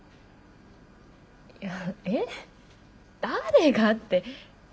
いやえっ誰がって。